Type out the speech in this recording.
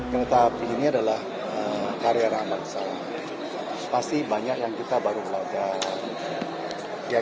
ketika ini adalah karya ramah besar pasti banyak yang kita baru melakukan